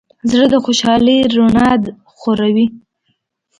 زړه د خوشحالۍ رڼا خوروي.